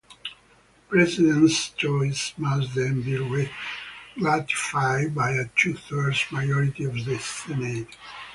The president's choice must then be ratified by a two-thirds majority of the Senate.